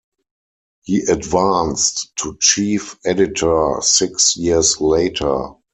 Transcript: He advanced to chief editor six years later.